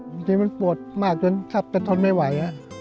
อืมจริงมันปวดมากจนทับแต่ทนไม่ไหว